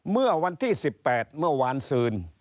เมื่อวันที่๑๘เมื่อวานซืน